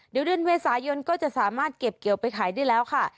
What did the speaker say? เดี๋ยวเดือนเมษายนก็จะสามารถเก็บเกี่ยวไปขายได้แล้วค่ะ